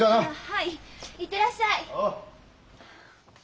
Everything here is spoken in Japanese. はい行ってらっしゃい！